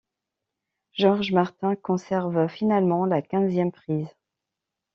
George Martin conserve finalement la quinzième prise.